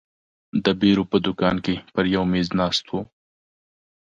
د بیرو په دوکان کې پر یوه مېز ناست وو.